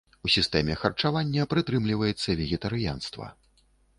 У сістэме харчавання прытрымліваецца вегетарыянства.